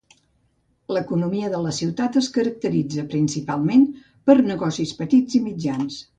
L'economia de la ciutat es caracteritza principalment per negocis petits i mitjans.